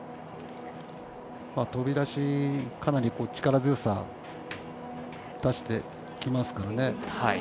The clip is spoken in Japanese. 飛び出し、かなり力強さ、出してきますからね。